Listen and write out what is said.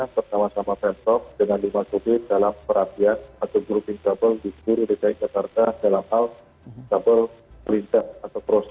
pertama sama fesok dengan dimasuki dalam perhatian atau grouping kabel di kuri dki jakarta dalam hal kabel pelintas atau proses